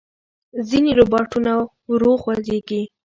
ځینې روباټونه ورو خوځېږي.